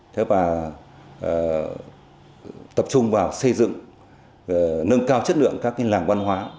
thế và tập trung vào xây dựng nâng cao chất lượng các cái làng văn hóa